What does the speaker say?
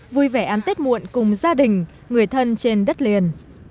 vui vẻ ăn tết muộn cùng gia đình người thân trên đất liền